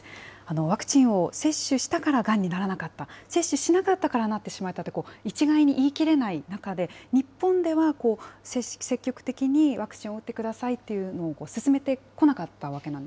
ワクチンを接種したからがんにならなかった、接種しなかったからなってしまったって、一概に言いきれない中で、日本では積極的にワクチンを打ってくださいっていうのを勧めてこ